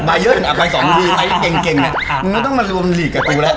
บายเยิ้นอภัย๒นี้ไทยเก่งมึงไม่ต้องมารวมหลีกกับตัวแหละ